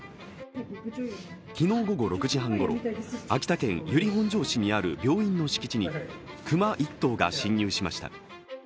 昨日、午後６時半ごろ秋田県由利本荘市にある病院の敷地に熊１頭が侵入しました。